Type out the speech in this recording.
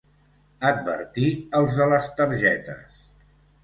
Advertir els de les targetes.